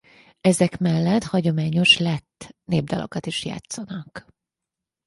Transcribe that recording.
Ezek mellett hagyományos lett népdalokat is játszanak.